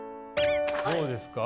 どうですか？